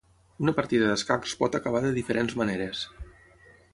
Una partida d'escacs pot acabar de diferents maneres.